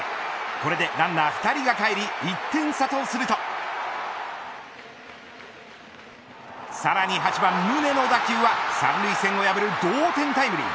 これでランナー２人が返り１点差とするとさらに８番、宗の打球は３塁線を破る同点タイムリー。